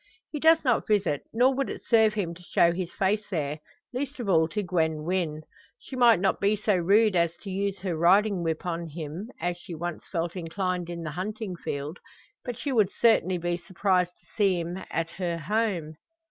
He does not visit, nor would it serve him to show his face there least of all to Gwen Wynn. She might not be so rude as to use her riding whip on him, as she once felt inclined in the hunting field; but she would certainly be surprised to see him at her home.